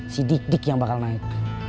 si dik dik yang bakal naik